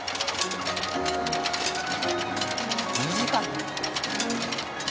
２時間！？